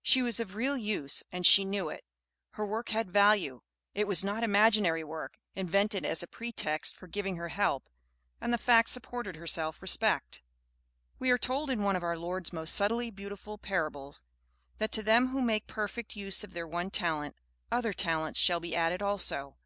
She was of real use, and she knew it. Her work had a value. It was not imaginary work, invented as a pretext for giving her help, and the fact supported her self respect. We are told in one of our Lord's most subtly beautiful parables, that to them who make perfect use of their one talent, other talents shall be added also.